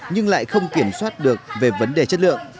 nhưng lại không kiểm soát được về vấn đề chất lượng